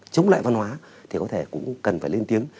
chống lại văn hóa thì có thể cũng cần phải lên tiếng